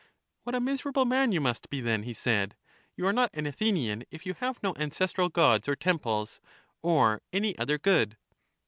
What a miserable man you must be then, he said; you are not an Athenian if you have no ancestral gods or temples, or any other good.